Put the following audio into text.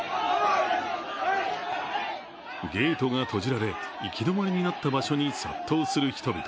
ゲートが閉じられ行き止まりになった場所に殺到する人々。